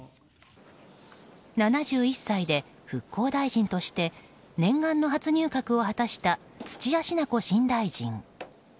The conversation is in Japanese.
７１歳で復興大臣として念願の初入閣を果たした土屋品子新大臣。